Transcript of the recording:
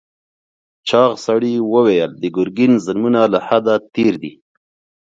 چاغ سړي وویل د ګرګین ظلمونه له حده تېر دي.